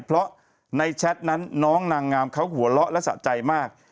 เพราะในแชทนั้นน้องนางงามเขาหัวเราะและสะใจมาก